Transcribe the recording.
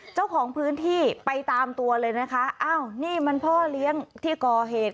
เจ้าของพื้นที่ไปตามตัวเลยนะคะอ้าวนี่มันพ่อเลี้ยงที่ก่อเหตุ